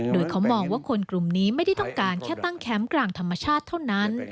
โดยเขามองว่าคนกลุ่มนี้ไม่ได้ต้องการแค่ตั้งแคมป์กลางธรรมชาติเท่านั้น